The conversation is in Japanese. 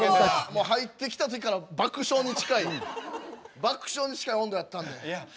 もう入ってきた時から爆笑に近い爆笑に近い温度やったんで。